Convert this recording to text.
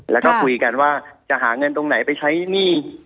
แล้วก็คุยกันว่าจะหาเงินตรงไหนไปใช้หนี้